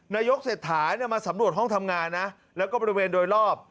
นายกเศรษฐามาสำรวจห้องทำงานนะแล้วก็บริเวณโดยรอบ